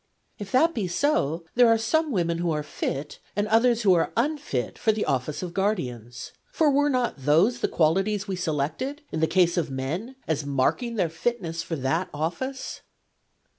' If that be so, there are some women who are fit, and others who are unfit, for the office of guardians. For were not those the qualities we selected, in the case of men, as marking their fitness for that office